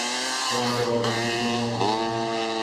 সুধাকান্তবাবু বললেন, খিচুড়ি নেমে গেছে।